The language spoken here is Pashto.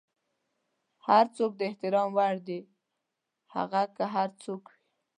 هر څوک د احترام وړ دی، هغه که هر څوک وي.